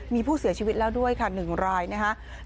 มีผู้เสียชีวิตแล้วด้วยค่ะ๑รายนะครับ